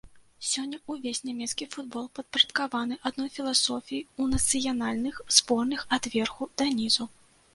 Сёння ўвесь нямецкі футбол падпарадкаваны адной філасофіі ў нацыянальных зборных ад верху да нізу.